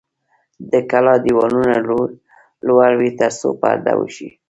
د کلا دیوالونه لوړ وي ترڅو پرده وشي.